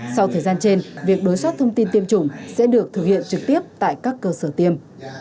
sau thời gian trên việc đối soát thông tin tiêm chủng sẽ được thực hiện trực tiếp tại các cơ sở tiêm